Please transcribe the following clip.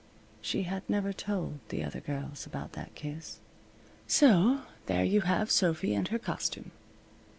She had never told the other girls about that kiss. So there you have Sophy and her costume.